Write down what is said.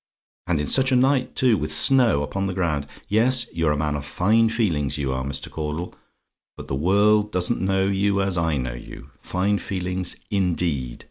And in such a night too! With snow upon the ground. Yes; you're a man of fine feelings, you are, Mr. Caudle; but the world doesn't know you as I know you fine feelings, indeed!